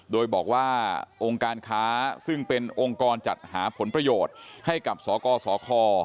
โดยบอกว่าองค์การค้าซึ่งเป็นองค์กรจัดหาผลประโยชน์ให้กับสกสค